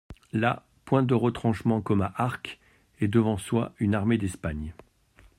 Là, point de retranchements, comme à Arques, et devant soi une armée d'Espagne.